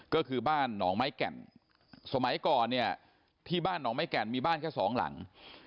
ก็คือบ้านหนองไม้แก่นสมัยก่อนเนี่ยที่บ้านหนองไม้แก่นมีบ้านแค่สองหลัง